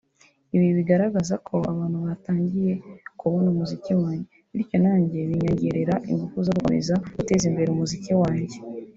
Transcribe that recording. ibi bigaragaza ko abantu batangiye kubona umuziki wanjye bityo nanjye binyogerera ingufu zo gukomeza guteza imbere umuziki wanjye